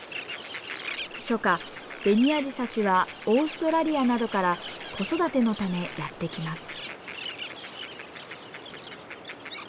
初夏ベニアジサシはオーストラリアなどから子育てのためやって来ます。